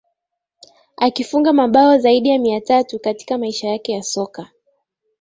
akifunga mabao zaidi ya mia tatu katika maisha yake ya soka